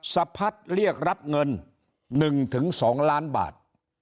สะพัดเรียกรับเงิน๑๒ล้านบาท